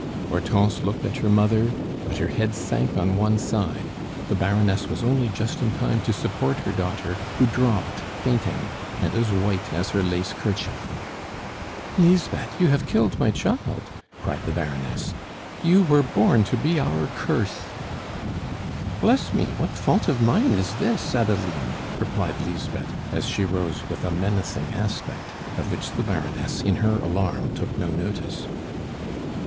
Hortense looked at her mother, but her head sank on one side; the Baroness was only just in time to support her daughter, who dropped fainting, and as white as her lace kerchief. "Lisbeth! you have killed my child!" cried the Baroness. "You were born to be our curse!" "Bless me! what fault of mine is this, Adeline?" replied Lisbeth, as she rose with a menacing aspect, of which the Baroness, in her alarm, took no notice.